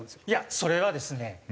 いやそれはですね